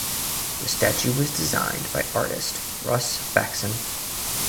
The statue was designed by artist Russ Faxon.